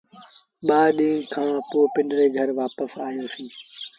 ٻآ ڏيٚݩهݩ کآݩ پو وآپس پنڊري گھر آيوس۔